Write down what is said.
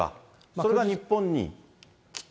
それが日本に来て。